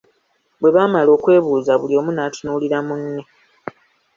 Bwe baamala okwebuuza buli omu n'atunuulira munne.